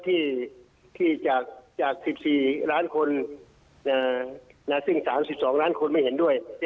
ที่จาก๑๔ล้านคนซึ่ง๓๒ล้านคนไม่เห็นด้วย